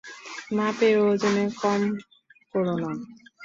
মাপে ও ওজনে কম করো না।